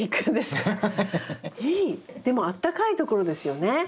でもあったかいところですよね？